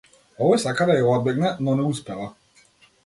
Овој сака да ја одбегне, но не успева.